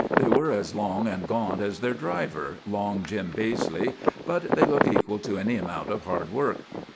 They were as long and gaunt as their driver, long Jim Baizley; but they looked equal to any amount of hard work.